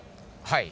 はい。